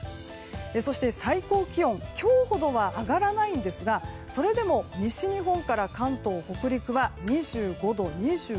そして、最高気温今日ほどは上がらないんですがそれでも西日本から関東、北陸は２５度、２４度。